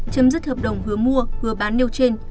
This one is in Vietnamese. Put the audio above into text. chấm dứt hợp đồng hứa mua hứa bán nêu trên